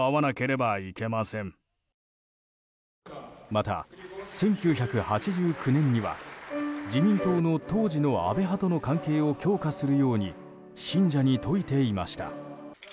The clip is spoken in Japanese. また、１９８９年には自民党の当時の安倍派との関係を強化するように信者に説いていました。